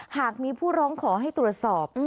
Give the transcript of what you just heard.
หากมีผู้ร้องขอให้ตรวจสอบ